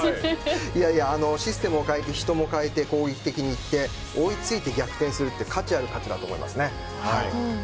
システムも変えて人も代えて攻撃的にいって追いついて逆転するって価値ある勝ちだと思います。